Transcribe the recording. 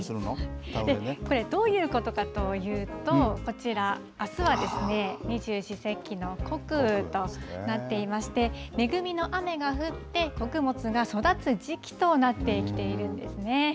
これ、どういうことかというと、こちら、あすはですね、二十四節気の穀雨となっていまして、恵みの雨が降って、穀物が育つ時期となってきているんですね。